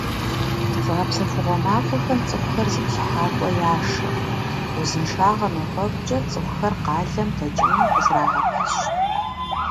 Зыгъэпсэхугъуэ махуэхэм цӀыхухэр зыплъыхьакӀуэ яшэ, узыншагъэ мафӀэгукӀэ цӀыхухэр къалэм дэкӀыныр къызэрагъэпэщ.